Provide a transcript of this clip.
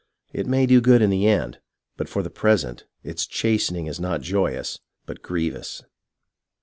It may do good in the end, but for the present its "chastening is not joyous, but grievous."